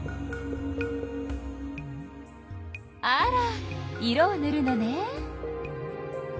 あら色をぬるのね。